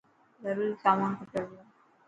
ضروري سامان کپي پيو.